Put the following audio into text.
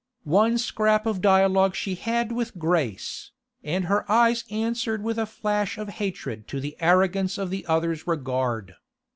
One scrap of dialogue she had with Grace, and her eyes answered with a flash of hatred to the arrogance of the other's regard.